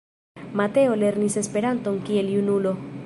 Mateo lernis Esperanton kiel junulo.